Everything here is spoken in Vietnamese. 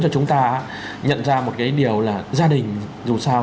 của dan vâu